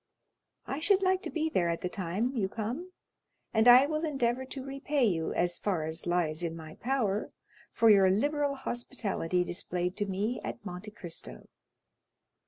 "I should like to be there at the time you come, and I will endeavor to repay you, as far as lies in my power, for your liberal hospitality displayed to me at Monte Cristo."